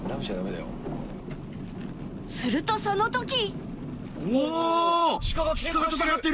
［するとそのとき！］